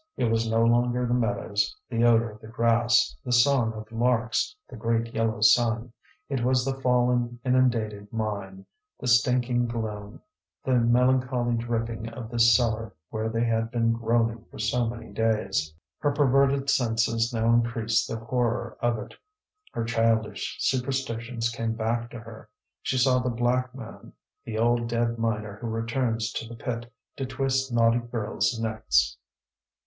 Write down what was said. It was no longer the meadows, the odour of the grass, the song of larks, the great yellow sun; it was the fallen, inundated mine, the stinking gloom, the melancholy dripping of this cellar where they had been groaning for so many days. Her perverted senses now increased the horror of it; her childish superstitions came back to her; she saw the Black Man, the old dead miner who returns to the pit to twist naughty girls' necks.